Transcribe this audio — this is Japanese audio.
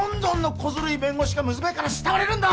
こずるい弁護士が娘から慕われるんだ！